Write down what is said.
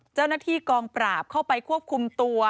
เจ้าหน้าที่กองปราบเข้าไปควบคุมตัว